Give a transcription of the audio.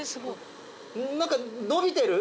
何かのびてる？